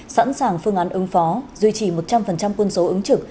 sẵn sàng phương án ứng phó duy trì một trăm linh quân số ứng trực